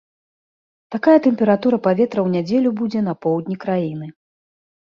Такая тэмпература паветра ў нядзелю будзе на поўдні краіны.